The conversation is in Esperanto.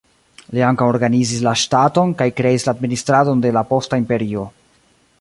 Li ankaŭ organizis la ŝtaton, kaj kreis la administradon de la posta imperio.